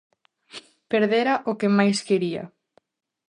Perdera o que máis quería.